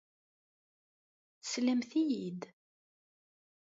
Teslamt-iyi-d.